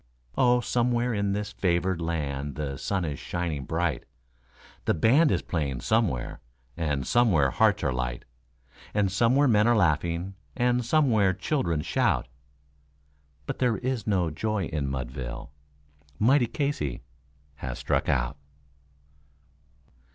Oh, somewhere in this favoured land the sun is shining bright, The band is playing somewhere, and somewhere hearts are light, And somewhere men are laughing, and somewhere children shout; But there is no joy in Mudville mighty Casey has struck out.